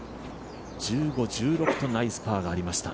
１５、１６とナイスパーがありました。